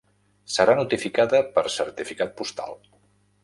Serà notificada per certificat postal.